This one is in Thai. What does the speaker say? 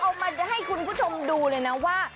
เอามาให้คุณผู้ชมดูเลยนะว่า